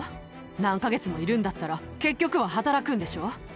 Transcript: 何か月もいるんだったら、結局は働くんでしょう。